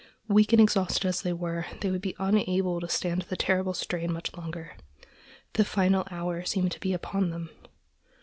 Weak and exhausted as they were, they would be unable to stand the terrible strain much longer. The final hour seemed to be upon them.